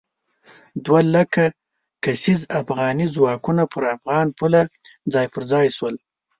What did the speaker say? دوه لک کسیز افغاني ځواکونه پر افغاني پوله ځای پر ځای شول.